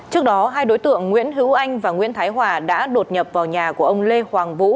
trước đó hai đối tượng nguyễn hữu anh và nguyễn thái hòa đã đột nhập vào nhà của ông lê hoàng vũ